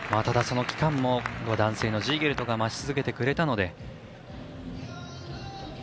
ただ、その期間も男性のジーゲルトが待ち続けてくれたので。